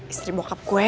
istri bokap gue